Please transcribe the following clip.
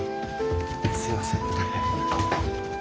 すいません。